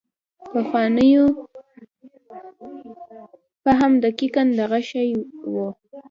پخوانو فهم دقیقاً دغه شی و.